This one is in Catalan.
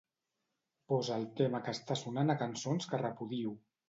Posa el tema que està sonant a cançons que repudio.